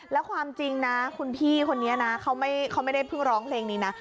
แล้วความจริงนะคุณพี่คนนี้นะเขาไม่ได้เพิ่งร้องเพลงนี้นะ